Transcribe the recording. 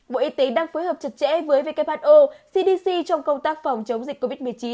bộ y tế đang phối hợp chặt chẽ với who cdc trong công tác phòng chống dịch covid một mươi chín